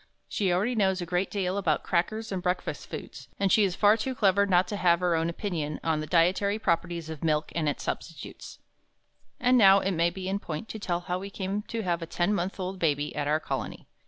She already knows a great deal about crackers and breakfast foods, and she is far too clever not to have her own opinion on the dietary properties of milk and its substitutes. And now it may be in point to tell how we came to have a ten months old baby at our Colony.